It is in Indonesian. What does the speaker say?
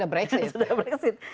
dia sudah brexit